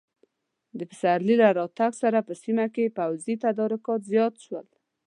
د پسرلي له راتګ سره په سیمه کې پوځي تدارکات زیات شول.